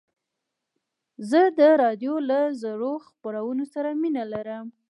زه د راډیو له زړو خپرونو سره مینه لرم.